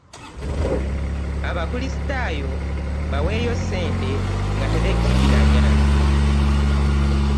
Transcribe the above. Abakrisitaayo baweeyo ssente ngabtebekkiriranya